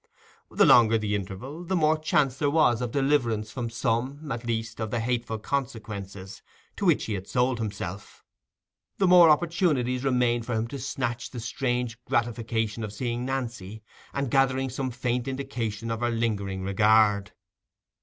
The longer the interval, the more chance there was of deliverance from some, at least, of the hateful consequences to which he had sold himself; the more opportunities remained for him to snatch the strange gratification of seeing Nancy, and gathering some faint indications of her lingering regard.